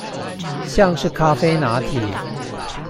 像是咖啡拿鐵